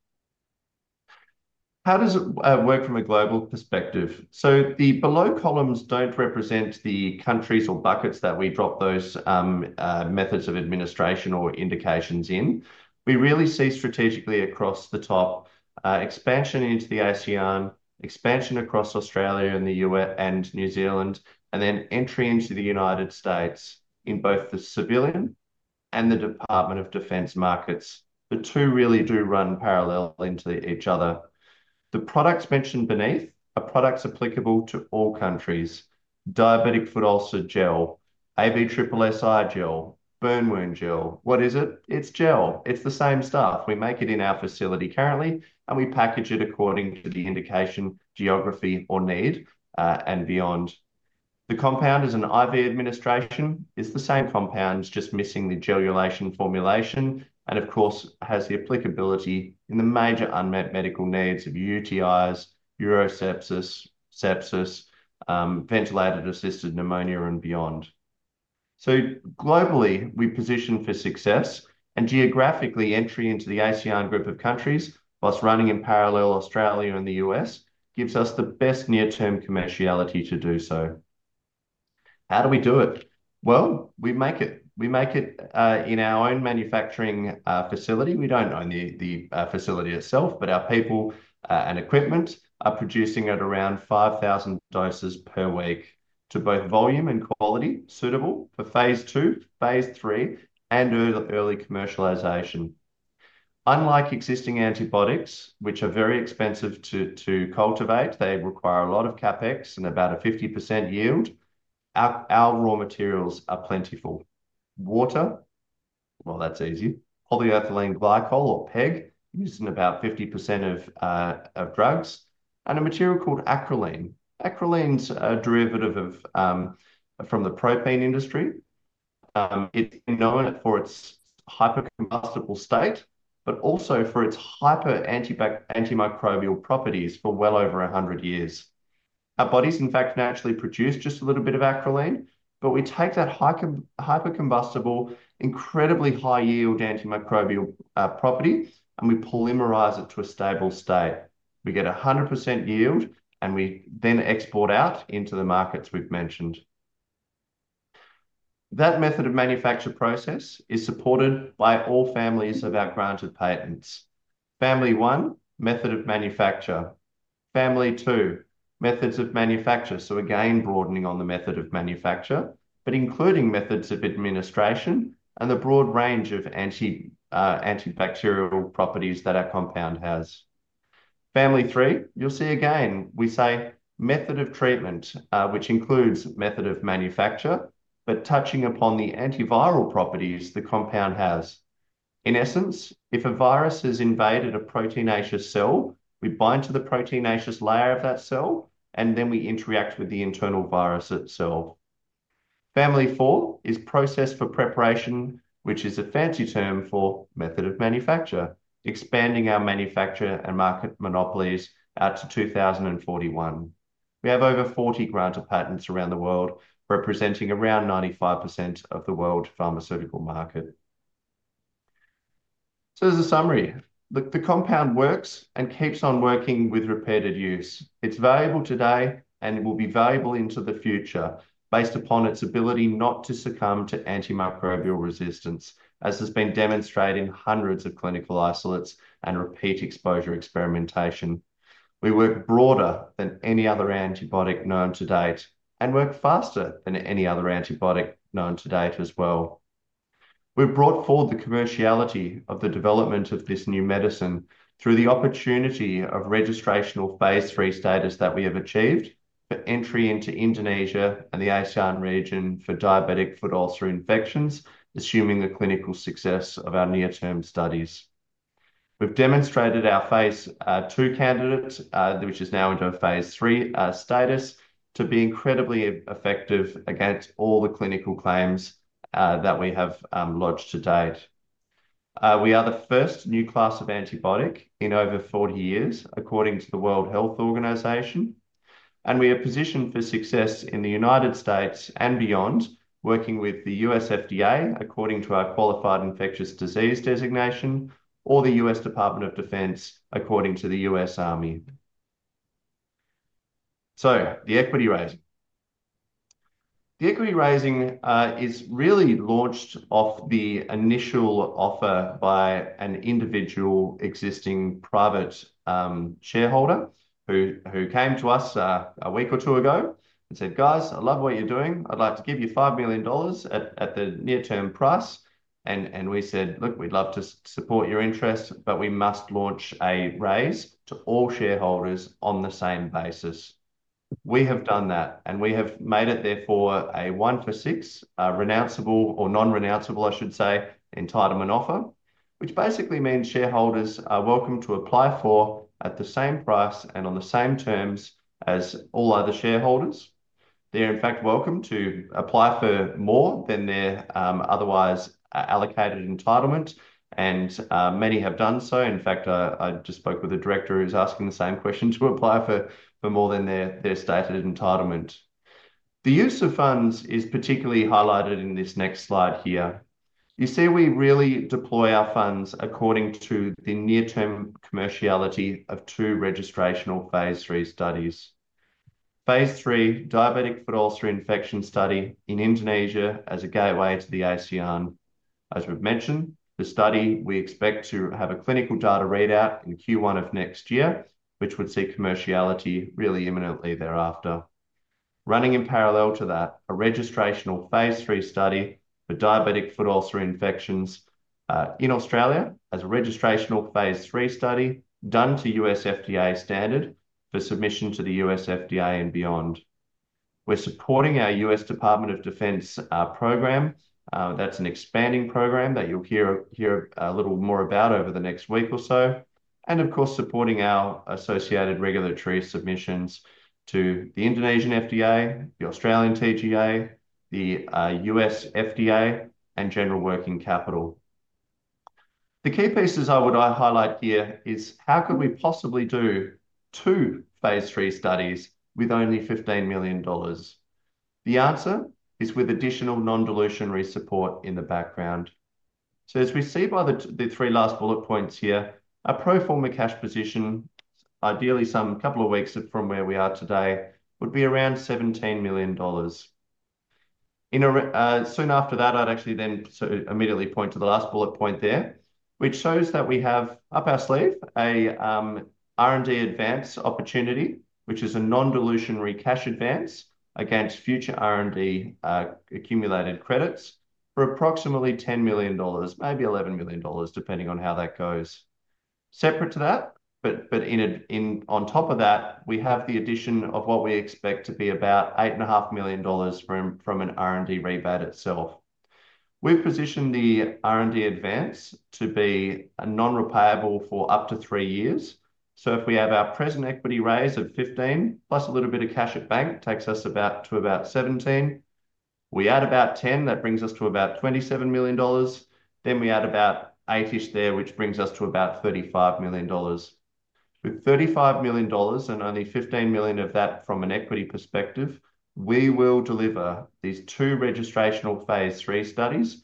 How does it work from a global perspective? The below columns do not represent the countries or buckets that we drop those methods of administration or indications in. We really see strategically across the top expansion into the ASEAN, expansion across Australia and New Zealand, and then entry into the United States in both the civilian and the Department of Defense markets. The two really do run parallel into each other. The products mentioned beneath are products applicable to all countries. Diabetic foot ulcer gel, ABSSSI gel, burn wound gel. What is it? It's gel. It's the same stuff. We make it in our facility currently, and we package it according to the indication, geography, or need and beyond. The compound is an IV administration. It's the same compound, just missing the gelulation formulation. Of course, it has the applicability in the major unmet medical needs of UTIs, urosepsis, sepsis, ventilated-assisted pneumonia, and beyond. Globally, we position for success. Geographically, entry into the ASEAN group of countries, whilst running in parallel, Australia and the U.S., gives us the best near-term commerciality to do so. How do we do it? We make it. We make it in our own manufacturing facility. We do not own the facility itself, but our people and equipment are producing at around 5,000 doses per week to both volume and quality, suitable for Phase II, Phase III, and early commercialization. Unlike existing antibiotics, which are very expensive to cultivate, they require a lot of CapEx and about a 50% yield. Our raw materials are plentiful. Water, that is easy. Polyethylene glycol or PEG is in about 50% of drugs. And a material called acrolein. Acrolein is a derivative from the propane industry. It is known for its hypercombustible state, but also for its hyper antimicrobial properties for well over 100 years. Our bodies, in fact, naturally produce just a little bit of acrolein, but we take that hypercombustible, incredibly high-yield antimicrobial property, and we polymerize it to a stable state. We get 100% yield, and we then export out into the markets we've mentioned. That method of manufacture process is supported by all families of our granted patents. Family one, method of manufacture. Family two, methods of manufacture. Again, broadening on the method of manufacture, but including methods of administration and the broad range of antibacterial properties that our compound has. Family three, you'll see again, we say method of treatment, which includes method of manufacture, but touching upon the antiviral properties the compound has. In essence, if a virus has invaded a proteinaceous cell, we bind to the proteinaceous layer of that cell, and then we interact with the internal virus itself. Family four is process for preparation, which is a fancy term for method of manufacture, expanding our manufacture and market monopolies out to 2041. We have over 40 granted patents around the world, representing around 95% of the world pharmaceutical market. As a summary, the compound works and keeps on working with repeated use. It's valuable today and will be valuable into the future based upon its ability not to succumb to antimicrobial resistance, as has been demonstrated in hundreds of clinical isolates and repeat exposure experimentation. We work broader than any other antibiotic known to date and work faster than any other antibiotic known to date as well. We've brought forward the commerciality of the development of this new medicine through the opportunity of registrational Phase III status that we have achieved for entry into Indonesia and the ASEAN region for diabetic foot ulcer infections, assuming the clinical success of our near-term studies. We've demonstrated our Phase II candidate, which is now into a Phase III status, to be incredibly effective against all the clinical claims that we have lodged to date. We are the first new class of antibiotic in over 40 years, according to the World Health Organization. We are positioned for success in the United States and beyond, working with the U.S. FDA, according to our qualified infectious disease designation, or the U.S. Department of Defense, according to the U.S. Army. The equity raising. The equity raising is really launched off the initial offer by an individual existing private shareholder who came to us a week or two ago and said, "Guys, I love what you're doing. I'd like to give you 5 million dollars at the near-term price." We said, "Look, we'd love to support your interest, but we must launch a raise to all shareholders on the same basis." We have done that, and we have made it therefore a one for six, a non-renounceable entitlement offer, which basically means shareholders are welcome to apply for at the same price and on the same terms as all other shareholders. They're, in fact, welcome to apply for more than their otherwise allocated entitlement. Many have done so. In fact, I just spoke with the director who's asking the same question to apply for more than their stated entitlement. The use of funds is particularly highlighted in this next slide here. You see, we really deploy our funds according to the near-term commerciality of two registrational Phase III studies. Phase III diabetic foot ulcer infection study in Indonesia as a gateway to the ASEAN. As we've mentioned, the study, we expect to have a clinical data readout in Q1 of next year, which would see commerciality really imminently thereafter. Running in parallel to that, a registrational Phase III study for diabetic foot ulcer infections in Australia as a registrational Phase III study done to U.S. FDA standard for submission to the U.S. FDA and beyond. We're supporting our U.S. Department of Defense program. That's an expanding program that you'll hear a little more about over the next week or so. Of course, supporting our associated regulatory submissions to the Indonesian BPOM, the Australian TGA, the U.S. FDA, and general working capital. The key pieces I would highlight here is how could we possibly do two Phase III studies with only 15 million dollars? The answer is with additional non-dilutionary support in the background. As we see by the three last bullet points here, a pro forma cash position, ideally some couple of weeks from where we are today, would be around 17 million dollars. Soon after that, I'd actually then immediately point to the last bullet point there, which shows that we have up our sleeve an R&D advance opportunity, which is a non-dilutionary cash advance against future R&D accumulated credits for approximately 10 million dollars, maybe 11 million dollars, depending on how that goes. Separate to that. On top of that, we have the addition of what we expect to be about 8.5 million dollars from an R&D rebate itself. We've positioned the R&D advance to be non-repayable for up to three years. If we have our present equity raise of 15 million, plus a little bit of cash at bank, that takes us to about 17 million. We add about 10 million. That brings us to about 27 million dollars. We add about 8 million there, which brings us to about 35 million dollars. With 35 million dollars and only 15 million of that from an equity perspective, we will deliver these two registrational Phase III studies,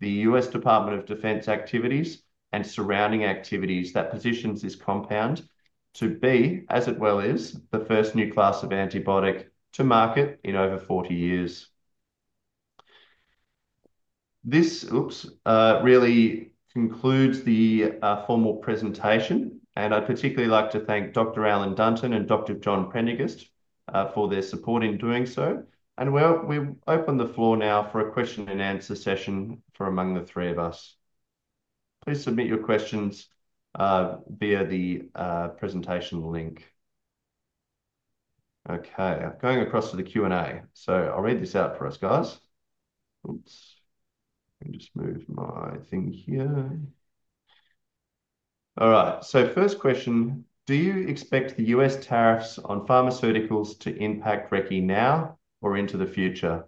the U.S. Department of Defense activities and surrounding activities that positions this compound to be as it well is the first new class of antibiotic to market in over 40 years. This really concludes the formal presentation. I’d particularly like to thank Dr. Alan Dunton and Dr. John Prendergast for their support in doing so. We open the floor now for a question and answer session for among the three of us. Please submit your questions via the presentation link. Okay. I’m going across to the Q&A. I’ll read this out for us, guys. Oops. Let me just move my thing here. All right. First question, do you expect the U.S. tariffs on pharmaceuticals to impact Recce now or into the future?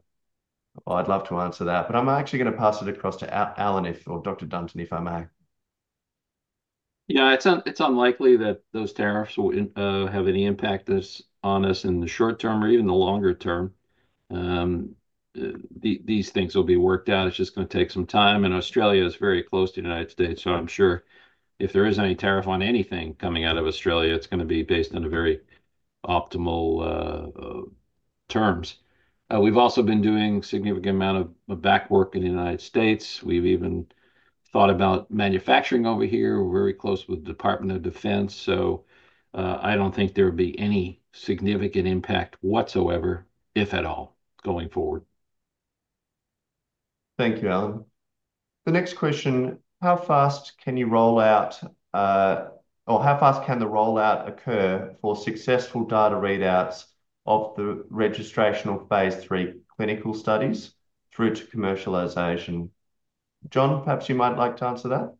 I’d love to answer that, but I’m actually going to pass it across to Alan or Dr. Dunton, if I may. Yeah, it’s unlikely that those tariffs will have any impact on us in the short term or even the longer term. These things will be worked out. It’s just going to take some time. Australia is very close to the United States. I'm sure if there is any tariff on anything coming out of Australia, it's going to be based on very optimal terms. We've also been doing a significant amount of backwork in the United States. We've even thought about manufacturing over here. We're very close with the Department of Defense. I don't think there would be any significant impact whatsoever, if at all, going forward. Thank you, Alan. The next question, how fast can you roll out or how fast can the rollout occur for successful data readouts of the registrational Phase III clinical studies through to commercialization? John, perhaps you might like to answer that.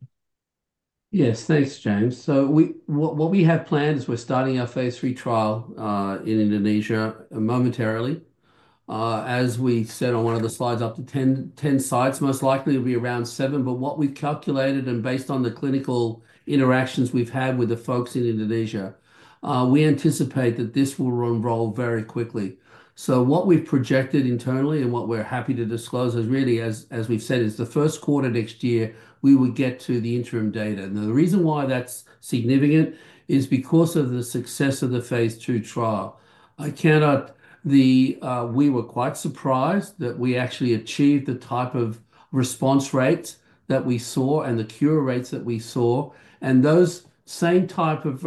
Yes, thanks, James. What we have planned is we're starting a Phase III trial in Indonesia momentarily. As we said on one of the slides, up to 10 sites. Most likely, it'll be around seven. What we've calculated and based on the clinical interactions we've had with the folks in Indonesia, we anticipate that this will unroll very quickly. What we've projected internally and what we're happy to disclose is really, as we've said, is the first quarter next year, we will get to the interim data. The reason why that's significant is because of the success of the Phase II trial. We were quite surprised that we actually achieved the type of response rates that we saw and the cure rates that we saw. Those same type of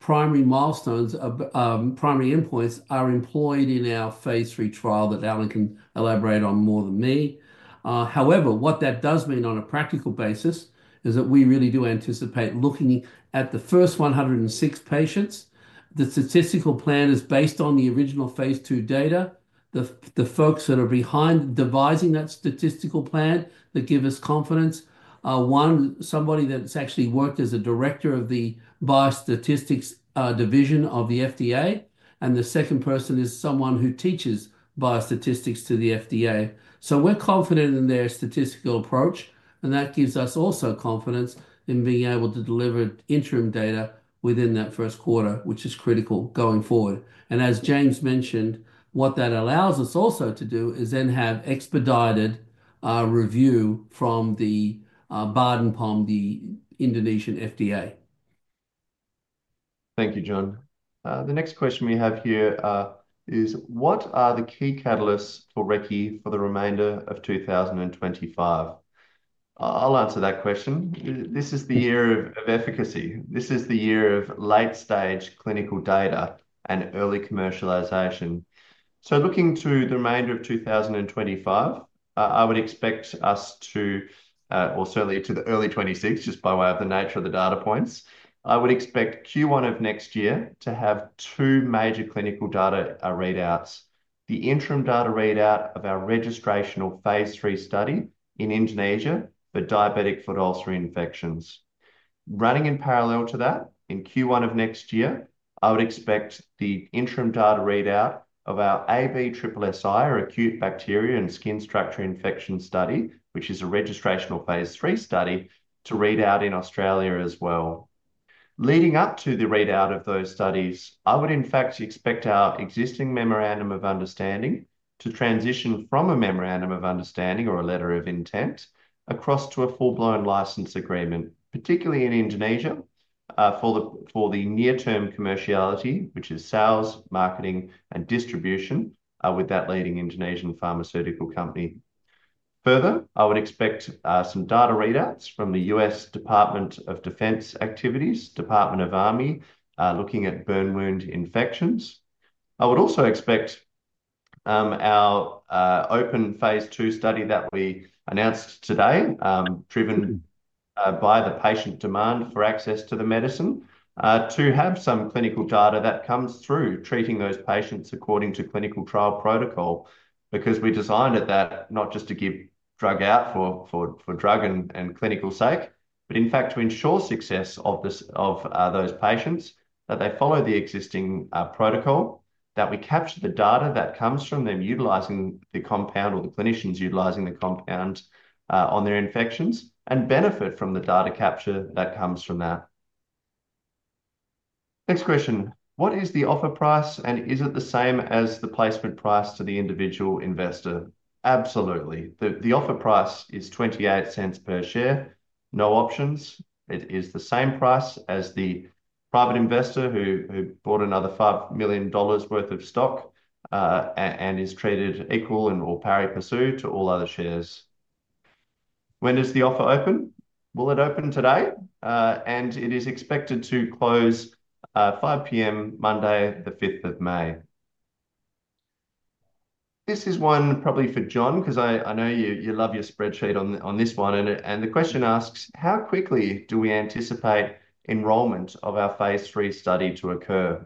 primary milestones, primary endpoints are employed in our Phase III trial that Alan can elaborate on more than me. However, what that does mean on a practical basis is that we really do anticipate looking at the first 106 patients. The statistical plan is based on the original Phase II data. The folks that are behind devising that statistical plan that give us confidence are somebody that's actually worked as a director of the biostatistics division of the FDA. The second person is someone who teaches biostatistics to the FDA. We are confident in their statistical approach. That gives us also confidence in being able to deliver interim data within that first quarter, which is critical going forward. As James mentioned, what that allows us also to do is then have expedited review from the BPOM, the Indonesian FDA. Thank you, John. The next question we have here is, what are the key catalysts for Recce for the remainder of 2025? I'll answer that question. This is the year of efficacy. This is the year of late-stage clinical data and early commercialization. Looking to the remainder of 2025, I would expect us to, or certainly to the early 2026, just by way of the nature of the data points, I would expect Q1 of next year to have two major clinical data readouts: the interim data readout of our registrational Phase III study in Indonesia for diabetic foot ulcer infections. Running in parallel to that, in Q1 of next year, I would expect the interim data readout of our ABSSSI, or acute bacterial skin and skin structure infection study, which is a registrational Phase III study, to read out in Australia as well. Leading up to the readout of those studies, I would in fact expect our existing memorandum of understanding to transition from a memorandum of understanding or a letter of intent across to a full-blown license agreement, particularly in Indonesia for the near-term commerciality, which is sales, marketing, and distribution with that leading Indonesian pharmaceutical company. Further, I would expect some data readouts from the U.S. Department of Defense activities, Department of Army, looking at burn wound infections. I would also expect our open Phase II study that we announced today, driven by the patient demand for access to the medicine, to have some clinical data that comes through treating those patients according to clinical trial protocol, because we designed it that not just to give drug out for drug and clinical sake, but in fact to ensure success of those patients, that they follow the existing protocol, that we capture the data that comes from them utilizing the compound or the clinicians utilizing the compound on their infections and benefit from the data capture that comes from that. Next question, what is the offer price and is it the same as the placement price to the individual investor? Absolutely. The offer price is 0.28 per share. No options. It is the same price as the private investor who bought another $5 million worth of stock and is treated equal and or pari passu to all other shares. When does the offer open? Will it open today? It is expected to close 5:00 P.M. Monday, the 5th of May. This is one probably for John, because I know you love your spreadsheet on this one. The question asks, how quickly do we anticipate enrollment of our Phase III study to occur?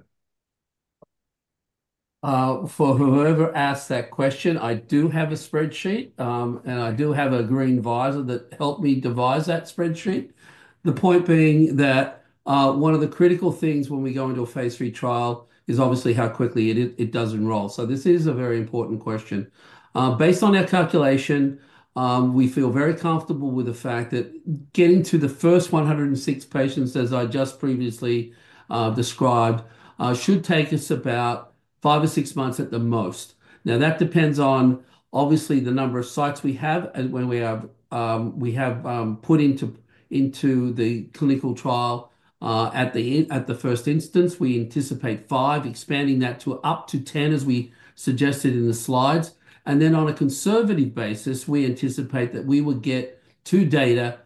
For whoever asked that question, I do have a spreadsheet, and I do have a green visor that helped me devise that spreadsheet. The point being that one of the critical things when we go into a Phase III trial is obviously how quickly it does enroll. This is a very important question. Based on our calculation, we feel very comfortable with the fact that getting to the first 106 patients, as I just previously described, should take us about five or six months at the most. That depends on, obviously, the number of sites we have and when we have put into the clinical trial at the first instance. We anticipate five, expanding that to up to 10, as we suggested in the slides. On a conservative basis, we anticipate that we would get to data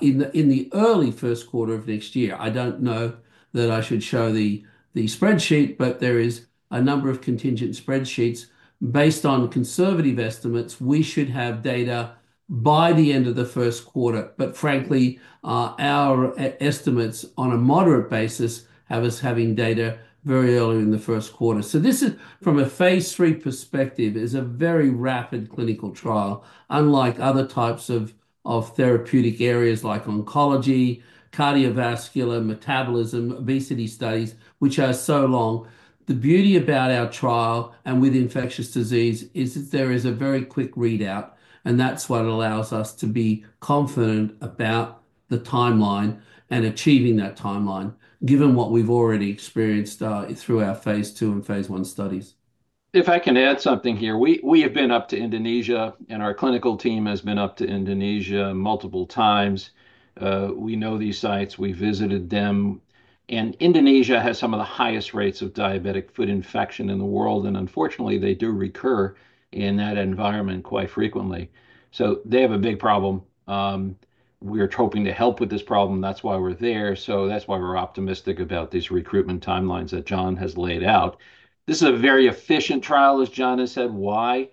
in the early first quarter of next year. I don't know that I should show the spreadsheet, but there is a number of contingent spreadsheets. Based on conservative estimates, we should have data by the end of the first quarter. Frankly, our estimates on a moderate basis have us having data very early in the first quarter. This is, from a Phase III perspective, a very rapid clinical trial, unlike other types of therapeutic areas like oncology, cardiovascular, metabolism, obesity studies, which are so long. The beauty about our trial and with infectious disease is that there is a very quick readout, and that is what allows us to be confident about the timeline and achieving that timeline, given what we have already experienced through our Phase II and Phase I studies. If I can add something here, we have been up to Indonesia, and our clinical team has been up to Indonesia multiple times. We know these sites. We have visited them. Indonesia has some of the highest rates of diabetic foot infection in the world. Unfortunately, they do recur in that environment quite frequently. They have a big problem. We are hoping to help with this problem. That is why we are there. That's why we're optimistic about these recruitment timelines that John has laid out. This is a very efficient trial, as John has said. Why?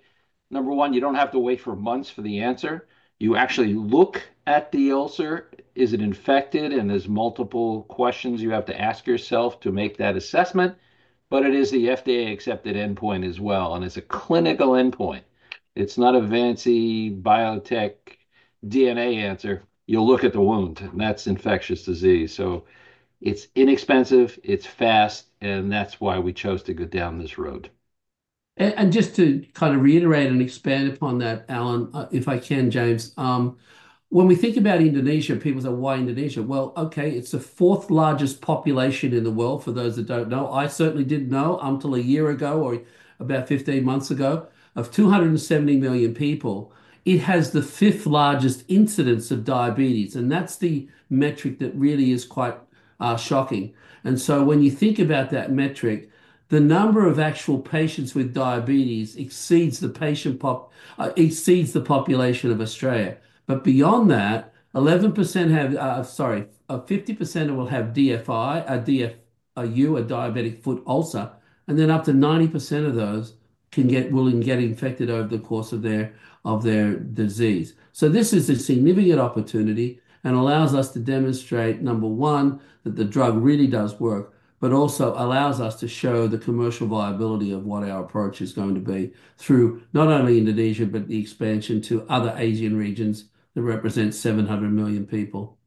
Number one, you don't have to wait for months for the answer. You actually look at the ulcer. Is it infected? And there are multiple questions you have to ask yourself to make that assessment. It is the FDA-accepted endpoint as well. It's a clinical endpoint. It's not a fancy biotech DNA answer. You look at the wound, and that's infectious disease. It's inexpensive. It's fast. That's why we chose to go down this road. Just to kind of reiterate and expand upon that, Alan, if I can, James, when we think about Indonesia, people say, "Why Indonesia?" Okay, it's the fourth largest population in the world, for those that don't know. I certainly didn't know until a year ago or about 15 months ago of 270 million people. It has the fifth largest incidence of diabetes. That's the metric that really is quite shocking. When you think about that metric, the number of actual patients with diabetes exceeds the population of Australia. Beyond that, 11% have, sorry, 50% will have DFI, a diabetic foot ulcer. Up to 90% of those can get willing to get infected over the course of their disease. This is a significant opportunity and allows us to demonstrate, number one, that the drug really does work, but also allows us to show the commercial viability of what our approach is going to be through not only Indonesia, but the expansion to other Asian regions that represent 700 million people.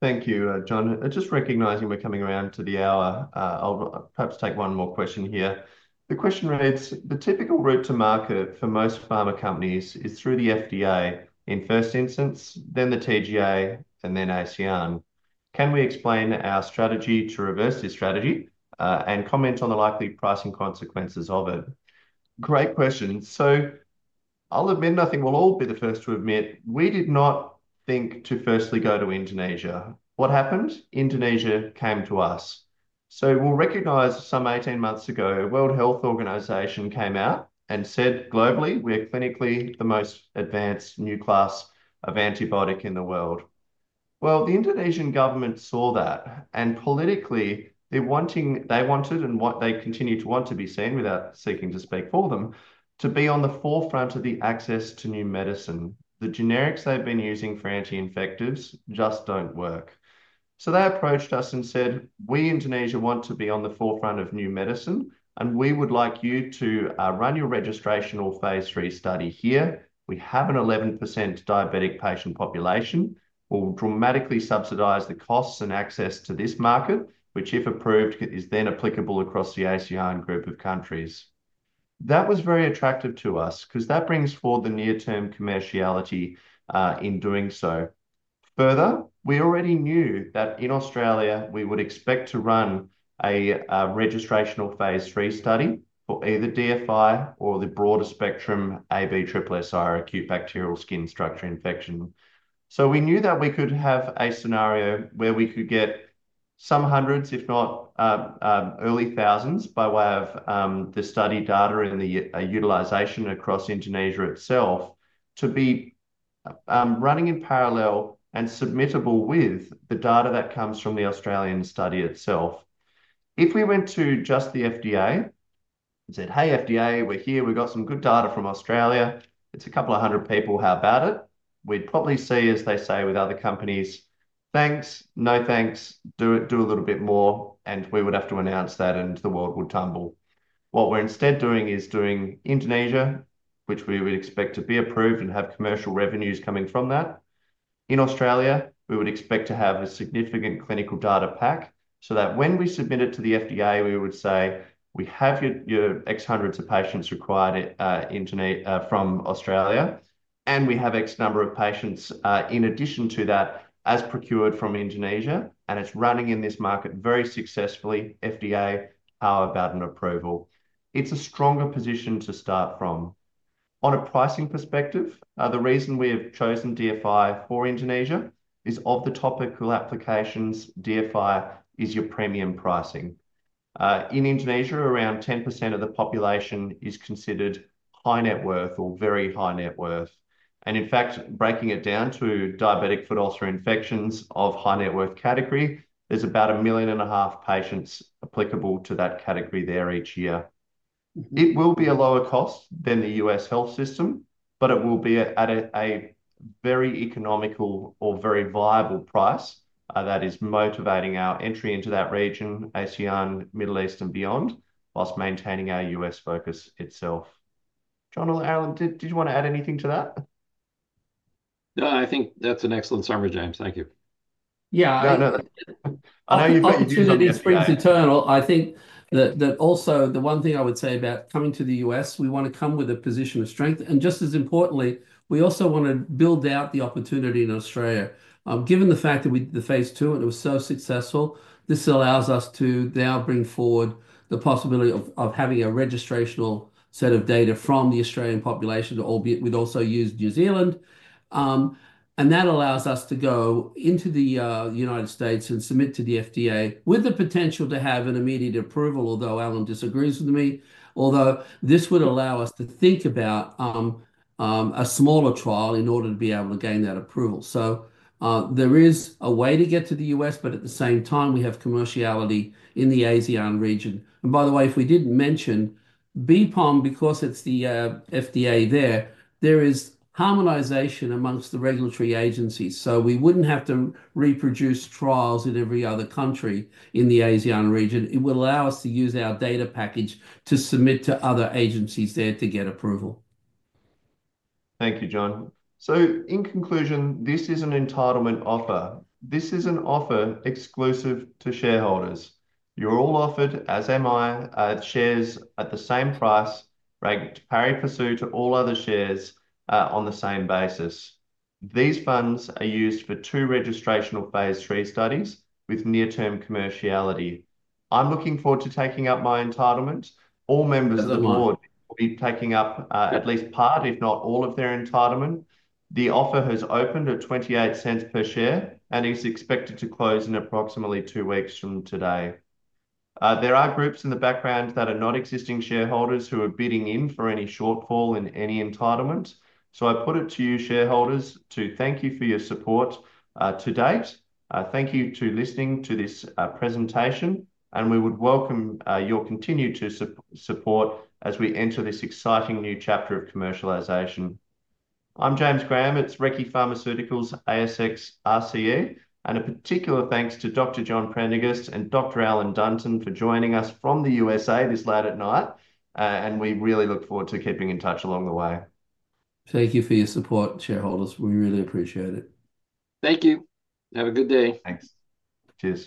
Thank you, John. Just recognizing we're coming around to the hour, I'll perhaps take one more question here. The question reads, "The typical route to market for most pharma companies is through the FDA in first instance, then the TGA, and then ASEAN. Can we explain our strategy to reverse this strategy and comment on the likely pricing consequences of it?" Great question. I'll admit nothing will all be the first to admit. We did not think to firstly go to Indonesia. What happened? Indonesia came to us. We'll recognize some 18 months ago, World Health Organization came out and said globally, "We are clinically the most advanced new class of antibiotic in the world." The Indonesian government saw that. Politically, they wanted and what they continue to want to be seen, without seeking to speak for them, to be on the forefront of the access to new medicine. The generics they've been using for anti-infectives just don't work. They approached us and said, "We in Indonesia want to be on the forefront of new medicine, and we would like you to run your registrational Phase III study here. We have an 11% diabetic patient population. We'll dramatically subsidize the costs and access to this market, which, if approved, is then applicable across the ASEAN group of countries." That was very attractive to us because that brings forward the near-term commerciality in doing so. Further, we already knew that in Australia, we would expect to run a registrational Phase III study for either DFI or the broader spectrum ABSSSI or acute bacterial skin structure infection. We knew that we could have a scenario where we could get some hundreds, if not early thousands, by way of the study data and the utilization across Indonesia itself to be running in parallel and submittable with the data that comes from the Australian study itself. If we went to just the FDA and said, "Hey, FDA, we're here. We've got some good data from Australia. It's a couple of hundred people. How about it?" We'd probably see, as they say with other companies, "Thanks, no thanks. Do it, do a little bit more." We would have to announce that, and the world would tumble. What we're instead doing is doing Indonesia, which we would expect to be approved and have commercial revenues coming from that. In Australia, we would expect to have a significant clinical data pack so that when we submit it to the FDA, we would say, "We have your X hundreds of patients required from Australia, and we have X number of patients in addition to that as procured from Indonesia, and it's running in this market very successfully. FDA, how about an approval?" It's a stronger position to start from. On a pricing perspective, the reason we have chosen DFI for Indonesia is of the topical applications, DFI is your premium pricing. In Indonesia, around 10% of the population is considered high net worth or very high net worth. In fact, breaking it down to diabetic foot ulcer infections of high net worth category, there's about 1.5 million patients applicable to that category there each year. It will be a lower cost than the U.S. health system, but it will be at a very economical or very viable price that is motivating our entry into that region, ASEAN, Middle East, and beyond, whilst maintaining our U.S. focus itself. John or Alan, did you want to add anything to that? No, I think that's an excellent summary, James. Thank you. Yeah, I know. I know you've got your two minutes. I think that also the one thing I would say about coming to the U.S., we want to come with a position of strength. Just as importantly, we also want to build out the opportunity in Australia. Given the fact that we did the Phase II and it was so successful, this allows us to now bring forward the possibility of having a registrational set of data from the Australian population, albeit we'd also used New Zealand. That allows us to go into the United States and submit to the FDA with the potential to have an immediate approval, although Alan disagrees with me, although this would allow us to think about a smaller trial in order to be able to gain that approval. There is a way to get to the US, but at the same time, we have commerciality in the ASEAN region. By the way, if we didn't mention BPOM, because it's the FDA there, there is harmonization amongst the regulatory agencies. We wouldn't have to reproduce trials in every other country in the ASEAN region. It will allow us to use our data package to submit to other agencies there to get approval. Thank you, John. In conclusion, this is an entitlement offer. This is an offer exclusive to shareholders. You're all offered, as am I, shares at the same price ranked pari passu to all other shares on the same basis. These funds are used for two registrational Phase III studies with near-term commerciality. I'm looking forward to taking up my entitlement. All members of the board will be taking up at least part, if not all, of their entitlement. The offer has opened at 0.28 per share, and it is expected to close in approximately two weeks from today. There are groups in the background that are not existing shareholders who are bidding in for any shortfall in any entitlement. I put it to you, shareholders, to thank you for your support to date. Thank you for listening to this presentation, and we would welcome your continued support as we enter this exciting new chapter of commercialization. I'm James Graham. It's Recce Pharmaceuticals, ASX, RCE. A particular thanks to Dr. John Prendergast and Dr. Alan Dunton for joining us from the USA this late at night. We really look forward to keeping in touch along the way. Thank you for your support, shareholders. We really appreciate it. Thank you. Have a good day. Thanks. Cheers.